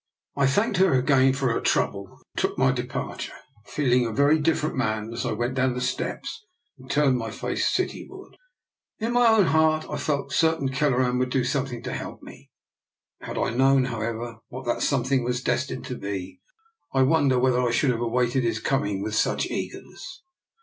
I thanked her again for her trouble, and took my departure, feeling a very different man as I went down the steps and turned my face citywards. In my own heart I felt certain Kelleran would do something to help me. Had I known, however, what that some thing was destined to be, I wonder whether I should have awaited his coming with such eagerness.